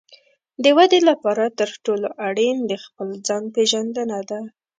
د ودې لپاره تر ټولو اړین د خپل ځان پېژندنه ده.